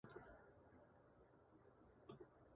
ペリーはアメリカの海軍軍人である。